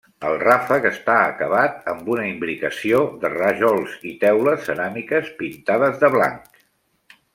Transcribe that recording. El ràfec està acabat amb una imbricació de rajols i teules ceràmiques pintades de blanc.